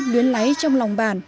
luyến lấy trong lòng bàn